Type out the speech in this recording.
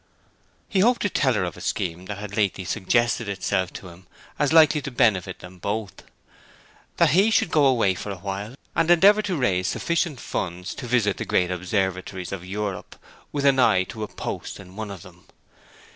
He hoped to tell her of a scheme that had lately suggested itself to him as likely to benefit them both: that he should go away for a while, and endeavour to raise sufficient funds to visit the great observatories of Europe, with an eye to a post in one of them.